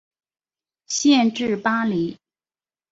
县治巴黎。